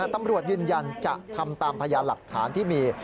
ตำรวจยืนยันจะทำตามพยานหลักฐานที่มี